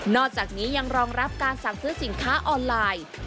อกจากนี้ยังรองรับการสั่งซื้อสินค้าออนไลน์